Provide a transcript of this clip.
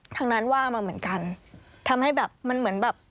ทางนั้นว่ามาเหมือนกันทำให้แบบมันเหมือนแบบ